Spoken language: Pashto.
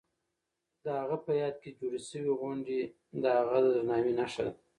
د هغه په یاد کې جوړې شوې غونډې د هغه د درناوي نښه ده.